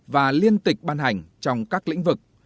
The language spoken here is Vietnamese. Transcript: và liên tịch bàn hành trong các lĩnh vực